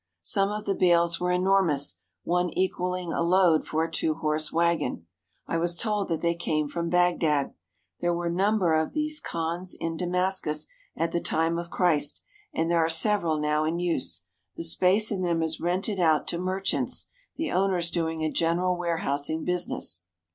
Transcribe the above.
Some of the bales were enormous, one equalling a load for a two horse wagon. I was told that they came from Bagdad. There were a number of these khans in Damascus at the time of Christ, and there are several now in use. The space in them is rented out to merchants, the owners doing a gen eral warehousing business.